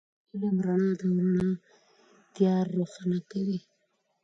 علم رڼا ده، او رڼا تیار روښانه کوي